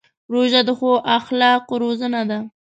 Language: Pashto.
روژه د ښو اخلاقو روزنه ده.